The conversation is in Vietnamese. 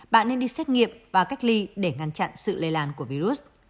bạn nên đi xét nghiệm và cách ly để ngăn chặn sự lây lan của virus